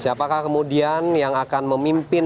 siapakah kemudian yang akan memimpin